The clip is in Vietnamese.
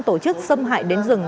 tổ chức xâm hại đến rừng